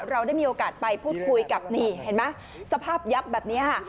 เราได้มีโอกาสไปพูดคุยกับนี่เห็นไหมสภาพยับแบบนี้ค่ะ